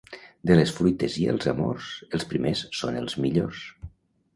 De les fruites i els amors, els primers són els millors.